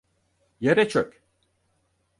Yere çök!